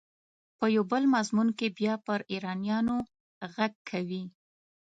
په یو بل مضمون کې بیا پر ایرانیانو غږ کوي.